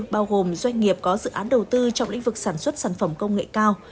bao gồm doanh nghiệp có dự án đầu tư trong lĩnh vực sản xuất sản phẩm công nghệ cao